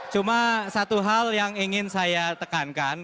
cuma satu hal yang ingin saya tekankan